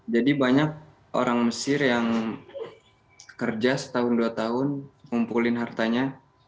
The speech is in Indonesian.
jadi banyak orang mesir yang kerja setahun dua tahun kumpulin hartanya